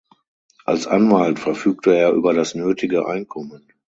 Als Anwalt verfügte er über das nötige Einkommen.